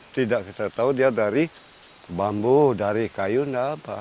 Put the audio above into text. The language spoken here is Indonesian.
tidak kita tahu dia dari bambu dari kayu tidak apa